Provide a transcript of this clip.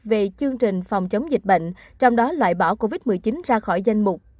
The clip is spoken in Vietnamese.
về chương trình phòng chống dịch bệnh trong đó loại bỏ covid một mươi chín ra khỏi danh mục